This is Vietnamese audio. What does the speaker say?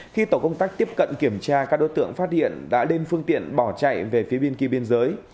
khi tổ công tác tiếp cận kiểm tra các đối tượng phát hiện đã lên phương tiện bỏ chạy về phía bên kia biên giới